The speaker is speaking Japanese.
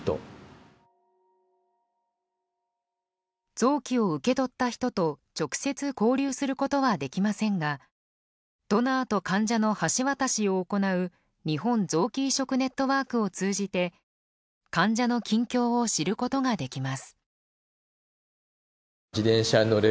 臓器を受け取った人と直接交流することはできませんがドナーと患者の橋渡しを行う日本臓器移植ネットワークを通じて患者の近況を知ることができます。